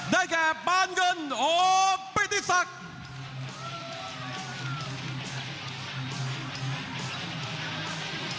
ได้แก่บานเงินโอปิติศักดิ์